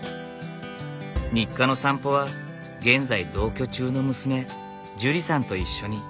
日課の散歩は現在同居中の娘ジュリさんと一緒に。